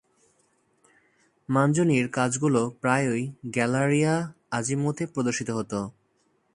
মাঞ্জুনির কাজগুলো প্রায়ই গ্যালারিয়া আজিমুথ-এ প্রদর্শিত হতো।